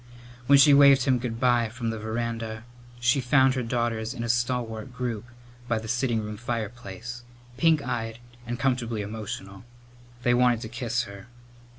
When she waved him good bye from the veranda she found her daughters in a stalwart group by the sitting room fireplace, pink eyed and comfortably emotional. They wanted to kiss her.